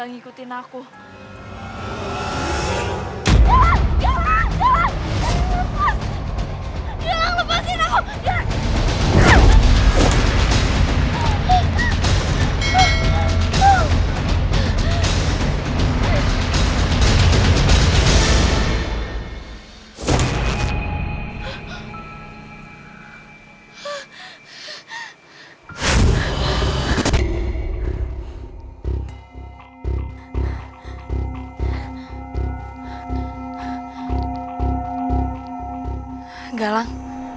aku mau ke rumah ya lang